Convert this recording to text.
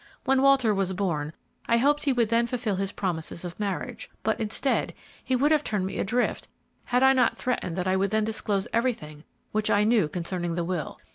When Walter was born, I hoped he would then fulfil his promises of marriage; but instead, he would have turned me adrift had I not threatened that I would then disclose everything which I knew concerning the will.